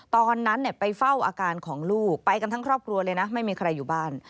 ตอนนั้นไปเฝ้าอาการของลูกไปกันทั้งครอบครัวเลยนะไม่มีใครอยู่บ้าน